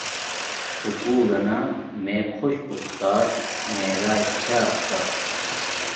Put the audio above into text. سکُول لنا میے خوش آستات معراج چھا کا